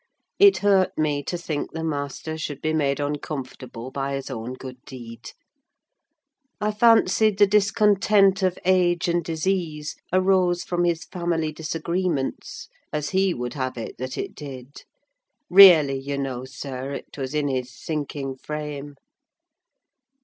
It hurt me to think the master should be made uncomfortable by his own good deed. I fancied the discontent of age and disease arose from his family disagreements; as he would have it that it did: really, you know, sir, it was in his sinking frame.